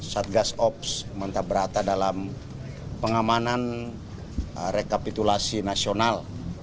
satgas ops mentabrata dalam pengamanan rekapitulasi nasional